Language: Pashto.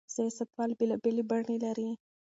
سياستوال بېلابېلې بڼې لري.